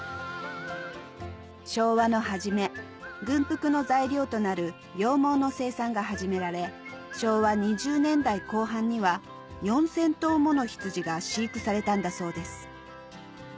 昭和の初め軍服の材料となる羊毛の生産が始められ昭和２０年代後半には４０００頭もの羊が飼育されたんだそうです